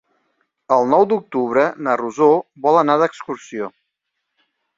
El nou d'octubre na Rosó vol anar d'excursió.